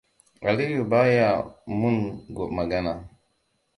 Aliyu baya mun magana.